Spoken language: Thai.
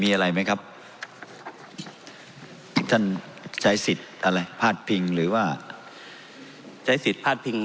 เพราะมันก็มีเท่านี้นะเพราะมันก็มีเท่านี้นะ